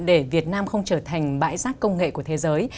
để việt nam không trở thành bãi rác công nghệ của thế giới